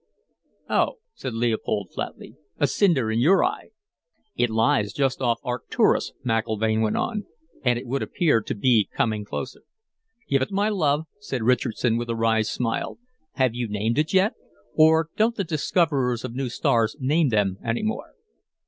"Oh," said Leopold flatly. "A cinder in your eye." "It lies just off Arcturus," McIlvaine went on, "and it would appear to be coming closer." "Give it my love," said Richardson with a wry smile. "Have you named it yet? Or don't the discoverers of new stars name them any more?